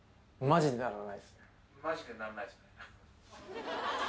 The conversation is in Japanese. マジで鳴らないですね